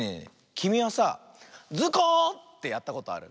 きみはさあ「ズコ！」ってやったことある？